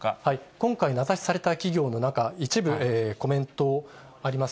今回、名指しされた企業の中、一部、コメントあります。